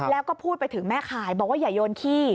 แล้วก็พูดไปถึงแม่ขายบอกว่าอย่าโยนขี้